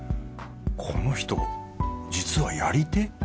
この人実はやり手？